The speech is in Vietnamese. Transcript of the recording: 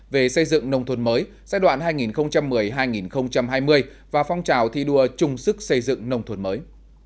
về xây dựng nông thôn mới giai đoạn hai nghìn một mươi hai nghìn hai mươi và phong trào thi đua chung sức xây dựng nông thôn mới